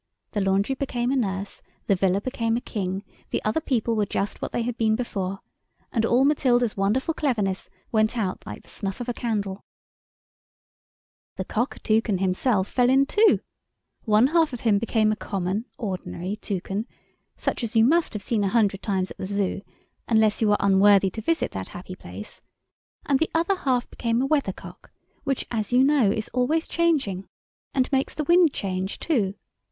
The laundry became a nurse, the villa became a king, the other people were just what they had been before, and all Matilda's wonderful cleverness went out like the snuff of a candle. The Cockatoucan himself fell in two—one half of him became a common, ordinary Toucan, such as you must have seen a hundred times at the Zoo, unless you are unworthy to visit that happy place, and the other half became a weathercock, which, as you know, is always changing and makes the wind change too.